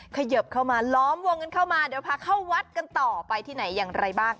เขยิบเข้ามาล้อมวงกันเข้ามาเดี๋ยวพาเข้าวัดกันต่อไปที่ไหนอย่างไรบ้าง